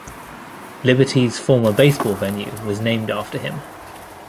Liberty's former baseball venue was named after him.